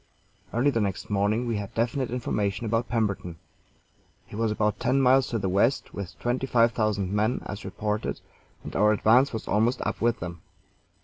Early the next morning we had definite information about Pemberton. He was about ten miles to the west, with twenty five thousand men, as reported, and our advance was almost up with him.